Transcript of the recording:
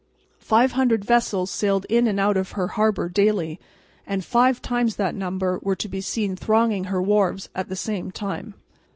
Five hundred vessels sailed in and out of her harbour daily, and five times that number were to be seen thronging her wharves at the same time.